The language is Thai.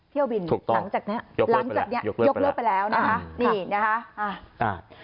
เที่ยวบินหลังจากนี้ยกเลิกไปแล้วนะคะนี่นะคะอ่าถูกต้อง